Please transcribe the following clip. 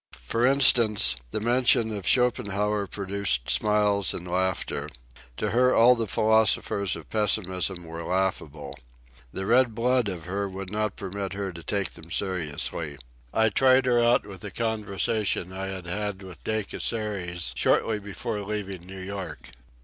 For instance, the mention of Schopenhauer produced smiles and laughter. To her all the philosophers of pessimism were laughable. The red blood of her would not permit her to take them seriously. I tried her out with a conversation I had had with De Casseres shortly before leaving New York.